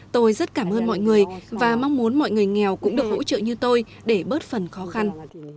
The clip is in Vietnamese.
tôi rất cảm ơn mọi người và mong muốn mọi người nghèo cũng được hỗ trợ như tôi để bớt phần khó khăn